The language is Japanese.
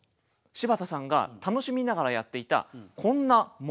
柴田さんが楽しみながらやっていたこんなもの。